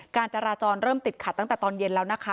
การจราจรเริ่มติดขัดตั้งแต่ตอนเย็นแล้วนะคะ